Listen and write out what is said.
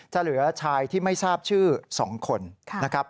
เหลือชายที่ไม่ทราบชื่อ๒คนนะครับ